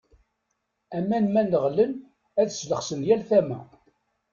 Aman ma neɣlen, ad slexsen yal tama.